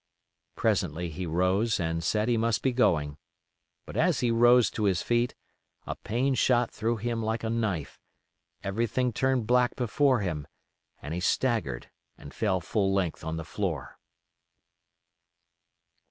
Presently he rose and said he must be going; but as he rose to his feet, a pain shot through him like a knife; everything turned black before him and he staggered and fell full length on the floor.